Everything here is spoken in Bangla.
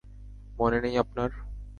মনে নেই আপনার?